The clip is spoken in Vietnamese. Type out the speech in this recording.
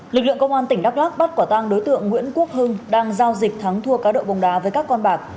lực lượng công an tỉnh đắk lắc bắt quả tang đối tượng nguyễn quốc hưng đang giao dịch thắng thua cá độ bóng đá với các con bạc